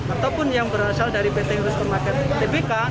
ataupun yang berasal dari pt urus permakai tbk